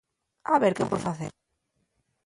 A ver qué pue facer.